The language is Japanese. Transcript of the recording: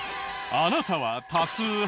あなたは多数派？